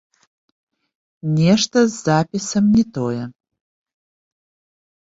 Нешта з запісам не тое.